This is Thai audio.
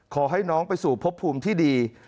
ขอให้น้องไปสู่พบภูมิที่ดี